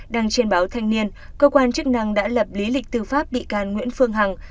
đăng trên báo thanh niên cơ quan chức năng đã lập lý lịch tư pháp bị can nguyễn phương hằng